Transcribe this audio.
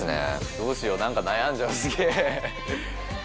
どうしよう何か悩んじゃうすげぇ。